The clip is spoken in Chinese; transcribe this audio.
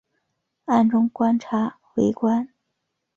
暗中观察围观